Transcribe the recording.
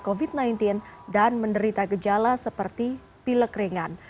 ratu menjalani perubahan covid sembilan belas dan menderita gejala seperti pilek ringan